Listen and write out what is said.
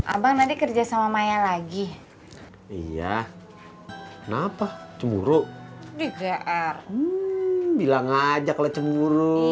abang nanti kerja sama maya lagi iya kenapa cemburu kayak bilang aja kalau cemburu